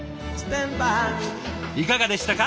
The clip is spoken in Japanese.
いかがでしたか？